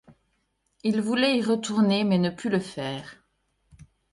Il voulait y retourner mais ne put le faire.